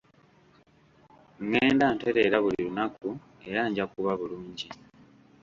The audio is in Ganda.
Ngenda ntereera buli lunaku era nja kuba bulungi.